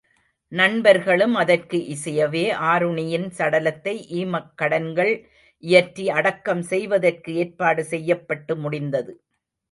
நண்பர்களும் அதற்கு இசையவே, ஆருணியின் சடலத்தை ஈமக்கடன்கள் இயற்றி அடக்கம் செய்வதற்கு ஏற்பாடு செய்யப்பட்டு முடிந்தது.